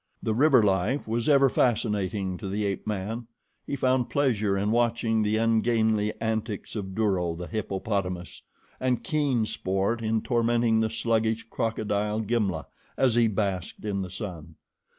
The river life was ever fascinating to the ape man. He found pleasure in watching the ungainly antics of Duro, the hippopotamus, and keen sport in tormenting the sluggish crocodile, Gimla, as he basked in the sun.